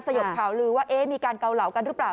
ยบข่าวลือว่ามีการเกาเหลากันหรือเปล่า